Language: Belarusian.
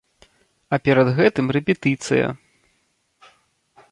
А перад гэтым рэпетыцыя.